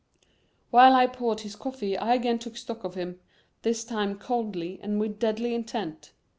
While I poured his coffee I again took stock of him, this time coldly and with deadly intent.